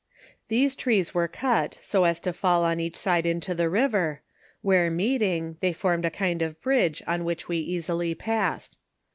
These trees were cut so as to fall on each side into tlio river, where meetiiif^, they formed a kind of bridge on which we easily passed.